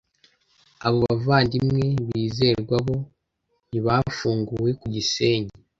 abo bavandimwe bizerwa bo ntibafunguwe Ku Gisenyi